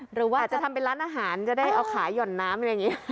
หรือว่าอาจจะทำเป็นร้านอาหารจะได้เอาขายห่อนน้ำอะไรอย่างนี้